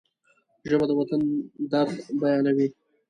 ژبه د وطن د درد بیانوي